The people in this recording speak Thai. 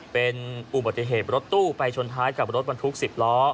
เป็นอุบัติเหตุรถตู้ไปชนท้ายกับรถบรรทุก๑๐ล้อ